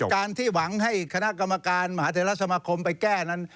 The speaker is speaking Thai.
การที่หวังให้คณะกรรมการมหาเทราสมาคมไปแก้นั้น